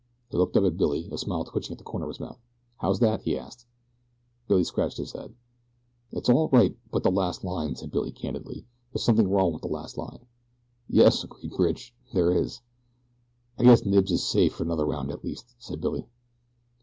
He looked up at Billy, a smile twitching at the corners of his mouth. "How's that?" he asked. Billy scratched his head. "It's all right but the last line," said Billy, candidly. "There is something wrong with that last line." "Yes," agreed Bridge, "there is." "I guess Knibbs is safe for another round at least," said Billy.